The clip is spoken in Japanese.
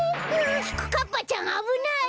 きくかっぱちゃんあぶない！